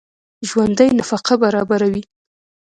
ژوندي نفقه برابروي